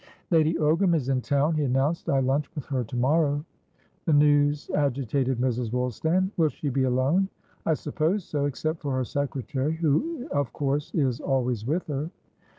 "Lady Ogram is in town," he announced. "I lunch with her to morrow." The news agitated Mrs. Woolstan. "Will she be alone?" "I suppose soexcept for her secretary, who of course is always with her."